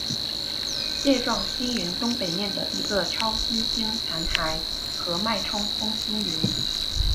蟹状星云东北面的一个超新星残骸和脉冲风星云。